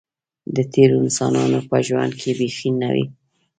د تېرو انسانانو په ژوند کې بیخي نه وې.